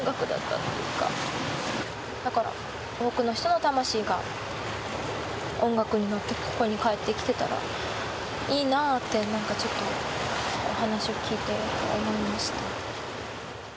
だから多くの人の魂が音楽に乗ってここに帰ってきてたらいいなって何かちょっとお話を聞いて思いました。